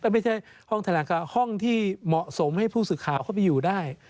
ไม่ใช่ห้องแถลงข่าวห้องที่เหมาะสมให้ผู้สื่อข่าวเข้าไปอยู่ได้